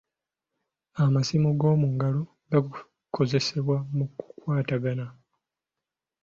Amasimu g'omu ngalo gakozesebwa mu kukwatagana.